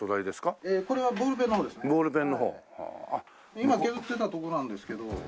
今削ってたとこなんですけど。